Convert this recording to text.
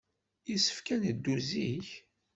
Yessefk ad neddu zik.